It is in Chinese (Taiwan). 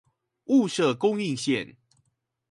霧社供應線